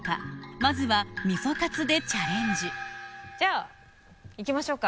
まずは味噌カツでチャレンジじゃあいきましょうか。